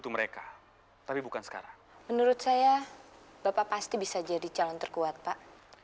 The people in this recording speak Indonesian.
menurut saya bapak pasti bisa jadi calon terkuat pak